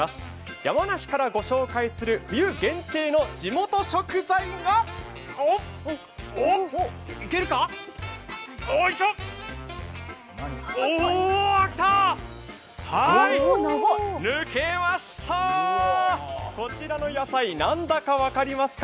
山梨からご紹介する冬限定の地元食材が抜けました、こちらの野菜、何だか分かりますか？